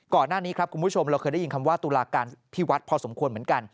ก่อนหน้านี้ครับคุณผู้ชมเราเคยได้ยินคำว่าตุลาการที่วัดพอสมควรเหมือนกัน